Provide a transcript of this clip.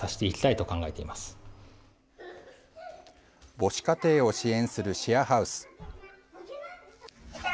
母子家庭を支援するシェアハウス。